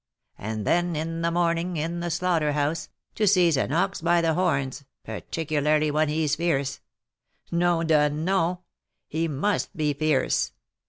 And then, in the morning, in the slaughter house, to seize an ox by the horns, particularly when he's fierce, nom de nom! he must be fierce!